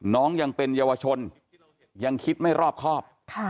น้องยังเป็นเยาวชนยังคิดไม่รอบครอบ